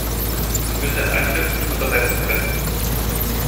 Sie müssen es anknüpfend untersetzen können.